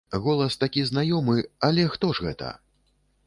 Голас такі знаёмы, але хто ж гэта?